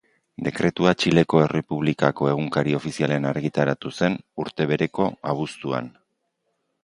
Dekretua Txileko Errepublikako Egunkari Ofizialean argitaratu zen urte bereko abuztuan.